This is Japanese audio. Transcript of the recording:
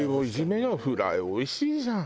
フライおいしいじゃん。